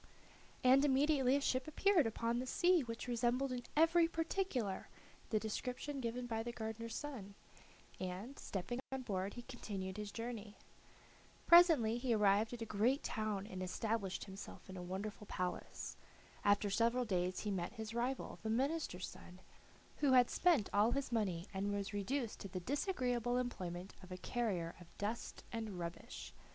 And immediately a ship appeared upon the sea which resembled in every particular the description given by the gardener's son, and, stepping on board, he continued his journey. Presently he arrived at a great town and established himself in a wonderful palace. After several days he met his rival, the minister's son, who had spent all his money and was reduced to the disagreeable employment of a carrier of dust and rubbish.